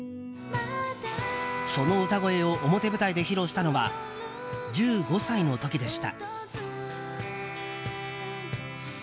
その歌声を表舞台で披露したのは１５歳の時でした。